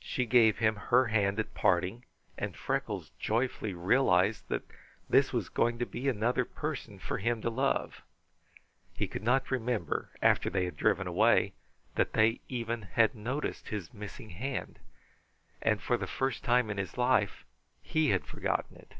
She gave him her hand at parting, and Freckles joyfully realized that this was going to be another person for him to love. He could not remember, after they had driven away, that they even had noticed his missing hand, and for the first time in his life he had forgotten it.